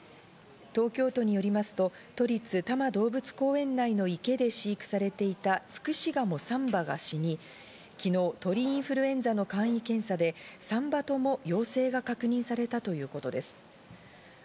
東京都によりますと都立多摩動物公園内の池で飼育されていたツクシガモ３羽が死に、昨日、鳥インフルエンザの簡易検査で３羽とも陽性が確認されたということです。